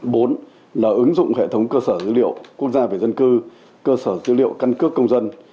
bốn là ứng dụng hệ thống cơ sở dữ liệu quốc gia về dân cư cơ sở dữ liệu căn cước công dân